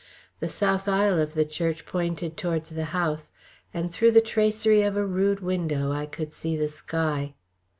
The south aisle of the church pointed towards the house, and through the tracery of a rude window I could see the sky.